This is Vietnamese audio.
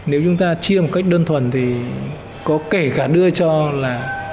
nếu chúng ta chia một cách đơn thuần thì có kể cả đưa cho là